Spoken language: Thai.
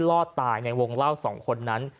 รอดตายในวงเล่าสองคนนั้น